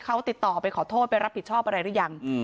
เขาติดต่อไปขอโทษไปรับผิดชอบอะไรหรือยัง